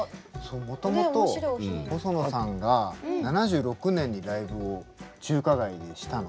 もともと細野さんが７６年にライブを中華街でしたの。